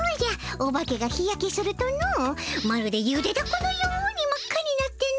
オバケが日やけするとのまるでゆでダコのように真っ赤になっての。